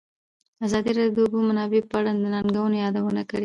ازادي راډیو د د اوبو منابع په اړه د ننګونو یادونه کړې.